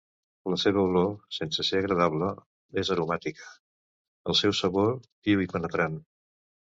La seva olor, sense ser agradable, és aromàtica; el seu sabor, viu i penetrant.